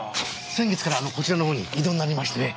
先月からこちらの方に異動になりましてね。